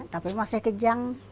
tapi masih kejang